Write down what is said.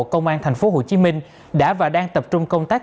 công an tp hcm đã và đang tập trung công tác